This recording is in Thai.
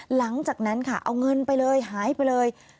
หลังจากนั้นค่ะเอาเงินไปเลยหายไปเลย